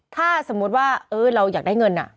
ถ้าสมมุติว่าเราอยากได้เงิน